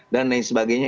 dan lain sebagainya